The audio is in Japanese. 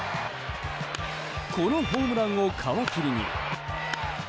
このホームランを皮切りに。